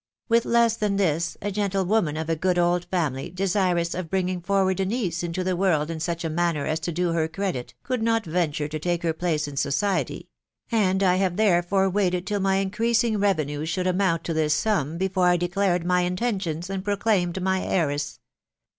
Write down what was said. With less than this, a gentlewoman of a good old family, de sirous of bringing forward a niece into the world in such a manner as to do her credit, could not venture to take her place in society ; and I have therefore waited till my increasing re venues should amount to this sum before I declared my inten tions, and proclaimed my heiress.